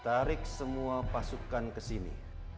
tarik semua pasukan ke sini